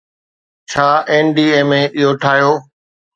ڇا NDMA اهو ٺاهيو؟